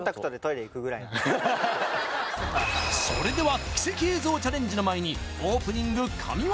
それでは奇跡映像チャレンジの前にオープニング神業